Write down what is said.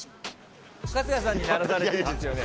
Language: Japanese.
春日さんに鳴らされてるんですよね。